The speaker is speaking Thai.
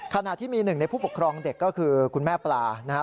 ขณะที่มีหนึ่งในผู้ปกครองเด็กก็คือคุณแม่ปลานะครับ